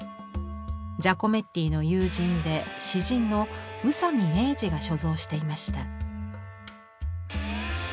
ジャコメッティの友人で詩人の宇佐見英治が所蔵していました。